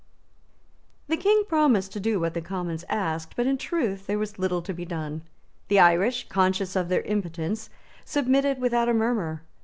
The King promised to do what the Commons asked; but in truth there was little to be done. The Irish, conscious of their impotence, submitted without a murmur.